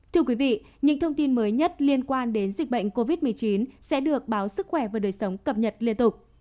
thưa quý vị những thông tin mới nhất liên quan đến dịch bệnh covid một mươi chín sẽ được báo sức khỏe và đời sống cập nhật liên tục